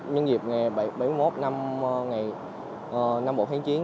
nhân dịp ngày bảy mươi một năm bộ kháng chiến